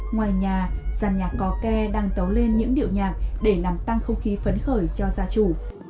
ngoài nhà giàn nhạc cò ke đang tấu lên những điệu nhạc để làm tăng không khí phấn khởi cho gia chủ